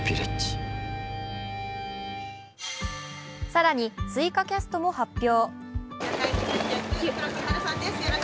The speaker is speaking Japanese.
更に、追加キャストも発表。